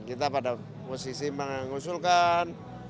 kita pada musisi mengusulkan